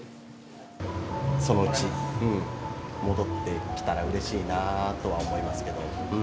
そのうち戻ってきたらうれしいなとは思いますけど。